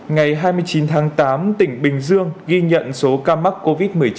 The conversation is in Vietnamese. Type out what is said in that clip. ngày hai mươi chín tháng tám tỉnh bình dương ghi nhận số ca mắc covid một mươi chín